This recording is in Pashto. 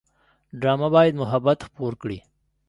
ډرامه باید محبت خپور کړي